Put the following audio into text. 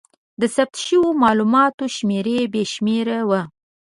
د ثبت شوو مالوماتو شمېر بې شمېره و.